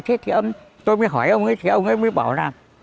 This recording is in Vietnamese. thế thì tôi mới hỏi ông ấy thì ông ấy mới bỏ ra